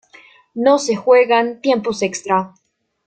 No se juegan tiempos extra.